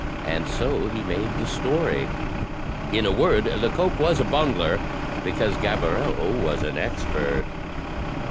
And so he made the story. In a word, Lecoq was a bungler • because Gaboriau was an expert."